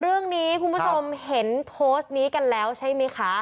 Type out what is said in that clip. เรื่องนี้คุณผู้ชมเห็นโพสต์นี้กันแล้วใช่ไหมคะ